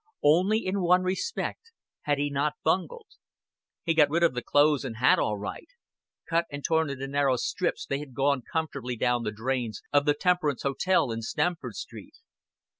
Only in one respect had he not bungled. He got rid of the clothes and hat all right. Cut and torn into narrow stripes they had gone comfortably down the drains of the temperance hotel in Stamford Street.